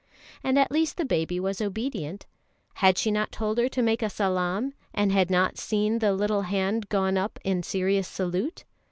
And at least the baby was obedient. Had she not told her to make a salaam, and had not the little hand gone up in serious salute?